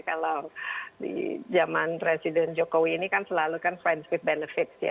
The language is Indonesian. kalau di zaman presiden jokowi ini kan selalu kan friendsfith benefits ya